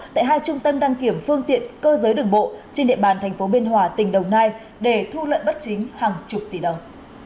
tại hai trung tâm đăng kiểm phương tiện cơ giới đường bộ trên địa bàn thành phố biên hòa tỉnh đồng nai để thu lợi bất chính hàng chục tỷ đồng